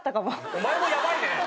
お前もヤバいね。